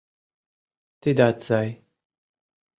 Тидат сай.